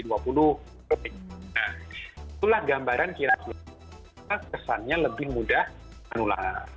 nah itulah gambaran kira kira kesannya lebih mudah menular